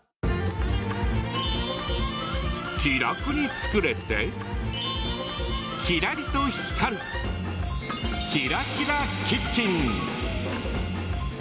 気楽に作れてキラリと光る「ＫｉｒａＫｉｒａキッチン」。